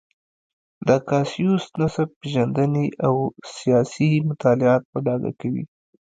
د کاسیوس نسب پېژندنې او سیاسي مطالعات په ډاګه کوي.